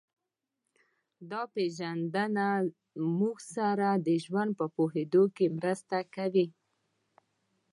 دا پېژندنه موږ سره د ژوند په پوهېدو کې مرسته کوي